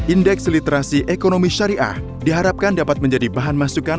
indeks literasi ekonomi syariah diharapkan dapat menjadi bahan masukan